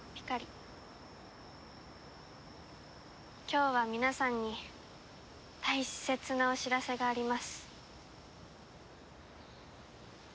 今日は皆さんに大切なお知らせがあります。